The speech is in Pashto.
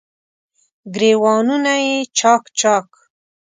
ګریوانونه یې چا ک، چا ک